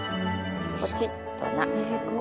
ポチッとな。